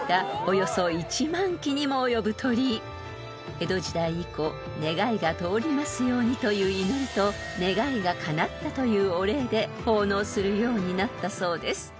［江戸時代以降願いが通りますようにという祈りと願いがかなったというお礼で奉納するようになったそうです］